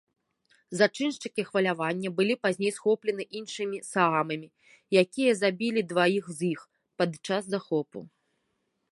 Зачыншчыкі хвалявання былі пазней схоплены іншымі саамамі, якія забілі дваіх з іх падчас захопу.